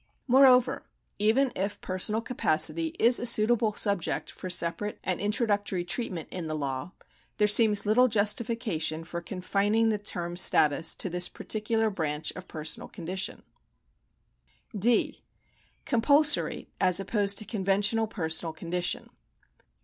Moreover, even if personal capacity is a suitable subject for separate and introductory treatment in the law, there seems little justification for confining the term status to this particular branch of personal condition, (d) Compulsory as opposed to conventional personal condition.